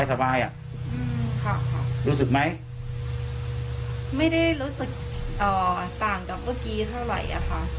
รู้สึกไหมไม่ได้รู้สึกต่างกับเมื่อกี้เท่าไหร่อะค่ะ